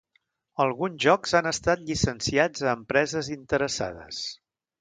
Alguns jocs han estat llicenciats a empreses interessades.